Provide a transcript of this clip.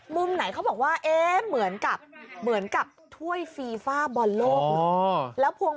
มุมไหนเขาบอกว่าเหมือนกับถ้๊วยฟีฟ่าบรณโลกนึง